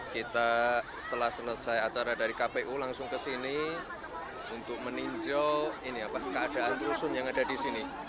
kita setelah selesai acara dari kpu langsung ke sini untuk meninjau keadaan rusun yang ada di sini